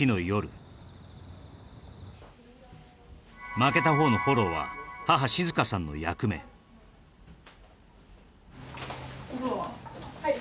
負けたほうのフォローは母・静香さんの役目お風呂は？